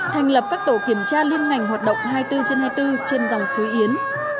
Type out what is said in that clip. thành lập các tổ kiểm tra liên ngành hoạt động hai mươi bốn trên hai mươi bốn trên dòng suối yến